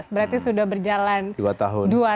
dua ribu tujuh belas berarti sudah berjalan dua tahun